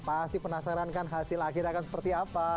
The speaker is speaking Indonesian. pasti penasaran kan hasil akhirnya akan seperti apa